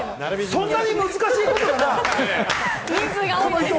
そんなに難しいことかな？